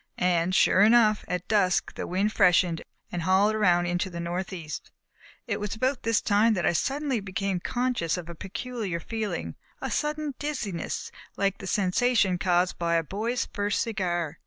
And, sure enough, at dusk the wind freshened and hauled around into the north east. It was about this time that I suddenly became conscious of a peculiar feeling, a sudden dizziness, like the sensation caused by a boy's first cigar.